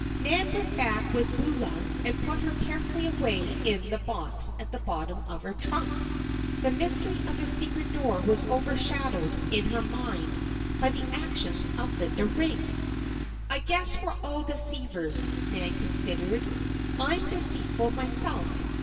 Nan went back with Beulah and put her carefully away in the box at the bottom of the trunk. The mystery of the secret door was overshadowed in her mind by the actions of Linda Riggs. "I guess we're all deceivers," Nan considered. "I'm deceitful myself.